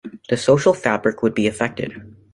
The social fabric would be affected.